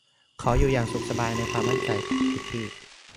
เขาอยู่อย่างสุขสบายในความมั่นใจผิดที่